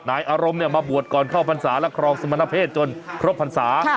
อารมณ์มาบวชก่อนเข้าพรรษาและครองสมณเพศจนครบพรรษา